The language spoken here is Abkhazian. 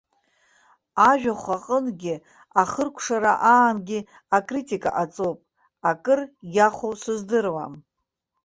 Ажәахә аҟынгьы, ахыркәшара аангьы акритика ҟаҵоуп, акыр иахәоу сыздыруам.